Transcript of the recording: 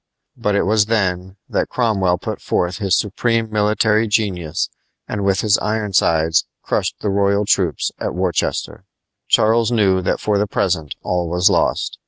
But it was then that Cromwell put forth his supreme military genius and with his Ironsides crushed the royal troops at Worcester. Charles knew that for the present all was lost.